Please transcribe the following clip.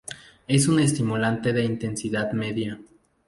Es un estimulante de intensidad media.